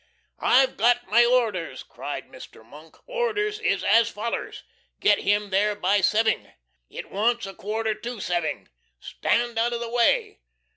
"I've got my orders!" cried Mr. Monk. "My orders is as follers: Get him there by seving! It wants a quarter to seving. Stand out of the way!"